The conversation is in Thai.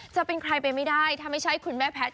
จะเป็นใครไปไม่ได้ถ้าไม่ใช่คุณแม่แพทย์